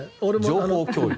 情報共有。